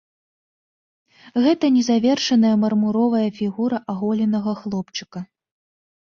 Гэта незавершаная мармуровая фігура аголенага хлопчыка.